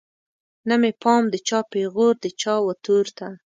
نه مې پام د چا پیغور د چا وتور ته